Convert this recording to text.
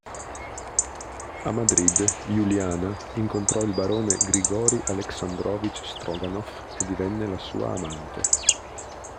A Madrid, Juliana incontrò il barone Grigorij Aleksandrovič Stroganov e divenne la sua amante.